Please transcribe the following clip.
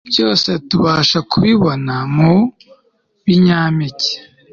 byose tubasha kubibona mu binyampeke